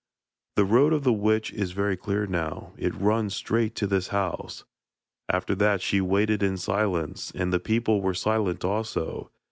'The road of the witch is very clear now; it runs straight to this house.' After that she waited in silence, and the people were silent also.